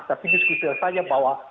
tapi diskusi diskusi saya bahwa